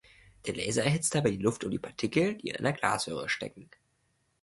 Der Laser erhitzt dabei die Luft um die Partikel, die in einer Glasröhre stecken.